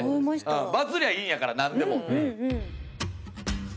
バズりゃいいんやから何でも。